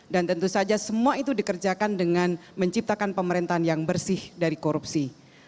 dan tentu saja semua itu dikerjakan dengan menciptakan pemerintahan yang bersih dari korupsi